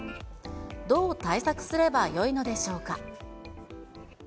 どう対策すればよいのでしょうか。